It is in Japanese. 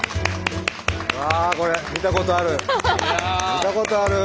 見たことある。